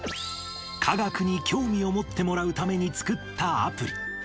科学に興味を持ってもらうために作ったアプリ。